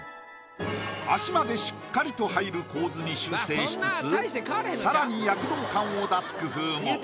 足までしっかりと入る構図に修正しつつ更に躍動感を出す工夫も。